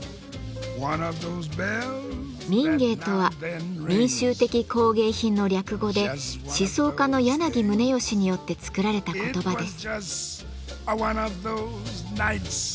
「民藝」とは「民衆的工藝品」の略語で思想家の柳宗悦によって作られた言葉です。